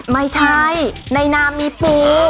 ไม่ใช่ในนามมีปู